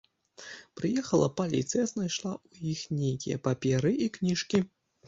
Прыехала паліцыя, знайшла ў іх нейкія паперы і кніжкі.